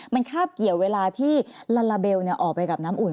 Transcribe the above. มันคาบเกี่ยวเวลาที่ลาลาเบลออกไปกับน้ำอุ่น